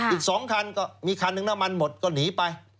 อีก๒คันก็มีคันหนึ่งน้ำมันหมดก็หนีไป